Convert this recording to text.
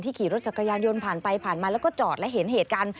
ขี่รถจักรยานยนต์ผ่านไปผ่านมาแล้วก็จอดและเห็นเหตุการณ์